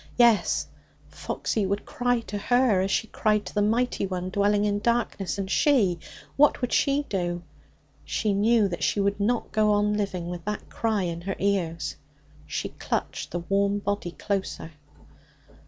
Yes; Foxy would cry to her, as she had cried to the Mighty One dwelling in darkness. And she? What would she do? She knew that she could not go on living with that cry in her ears. She clutched the warm body closer.